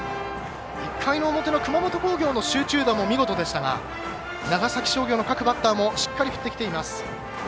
１回の表の熊本工業の集中打も見事でしたが長崎商業の各バッターもしっかり振ってきています。